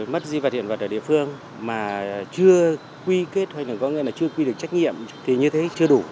mất di vật hiện vật ở địa phương mà chưa quy kết hay là có nghĩa là chưa quy được trách nhiệm thì như thế chưa đủ